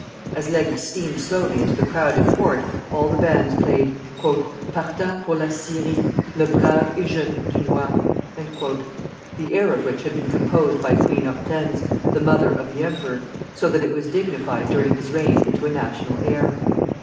As "L'Aigle" steamed slowly into the crowded port, all the bands played, "Partant pour la Syrie, Le brave et jeune Dunois," the air of which had been composed by Queen Hortense, the mother of the emperor, so that it was dignified during his reign into a national air.